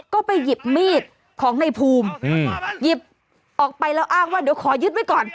ก็ไปหยิบมีดของในภูมิหยิบออกไปแล้วอ้างว่าเดี๋ยวขอยึดไว้ก่อน